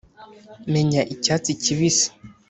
menya icyatsi kibisi,